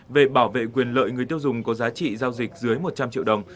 về bảo vệ quyền lợi người tiêu dùng có giá trị giao dịch dưới một trăm linh triệu đồng